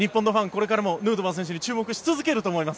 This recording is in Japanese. これからもヌートバー選手に注目し続けると思います。